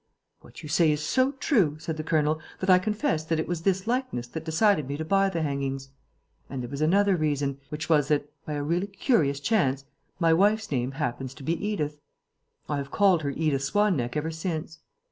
"What you say is so true," said the colonel, "that I confess that it was this likeness that decided me to buy the hangings. And there was another reason, which was that, by a really curious chance, my wife's name happens to be Edith. I have called her Edith Swan neck ever since."